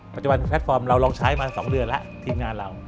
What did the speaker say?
แพลตฟอร์มเราลองใช้มา๒เดือนแล้วทีมงานเรา